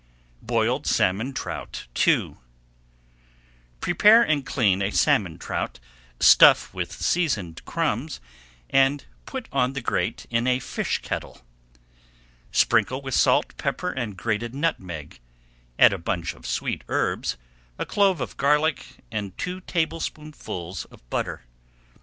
BOILED SALMON TROUT II Prepare and clean a salmon trout, stuff with seasoned crumbs, and put on the grate in a fish kettle. Sprinkle with salt, pepper, and grated nutmeg, add a bunch of sweet herbs, a clove of garlic and two tablespoonfuls of butter.